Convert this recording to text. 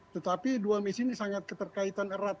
tetapi dua miss ini sangat keterkaitan erat